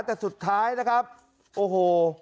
แต่สุดท้ายนะครับโอ้โห